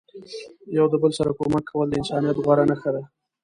یو د بل سره کومک کول د انسانیت غوره نخښه ده.